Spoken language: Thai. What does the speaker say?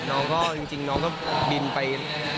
และน้องก็จริงน้องยายะบินไป